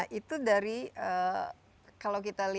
nah itu dari kalau kita lihat ke dalam